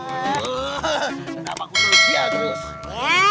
kenapa aku rusia terus